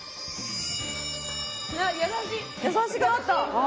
優しくなった。